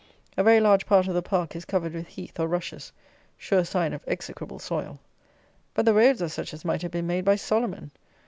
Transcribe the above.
A very large part of the Park is covered with heath or rushes, sure sign of execrable soil. But the roads are such as might have been made by Solomon.